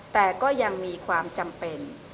แต่ก็ยังมีความจำเป็น